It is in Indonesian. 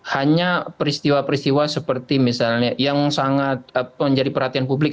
hanya peristiwa peristiwa seperti misalnya yang sangat menjadi perhatian publik